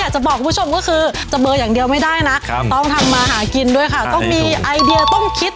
ช่างไทยรักไงสวัสดีท้อง